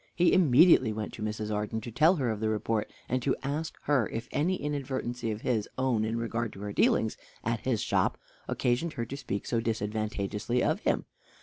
He immediately went to Mrs. Arden to tell her of the report, and to ask her if any inadvertency of his own in regard to her dealings at his shop occasioned her speaking so disadvantageously of him.